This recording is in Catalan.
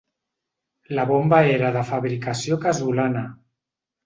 La bomba era de fabricació casolana.